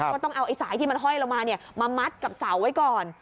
ก็ต้องเอาไอ้สายที่มันห้อยลงมามามัดกับเสาไว้ก่อน